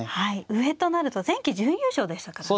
上となると前期準優勝でしたからね。